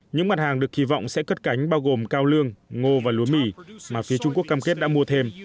những mặt hàng được kỳ vọng sẽ cất cánh bao gồm cao lương ngô và lúa mì mà phía trung quốc cam kết đã mua thêm